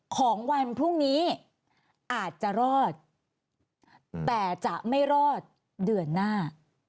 ของวันพรุ่งนี้อาจจะรอดแต่จะไม่รอดเดือนหน้า